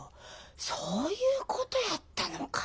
そういうことやったのか。